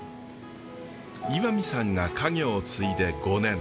岩見さんが家業を継いで５年。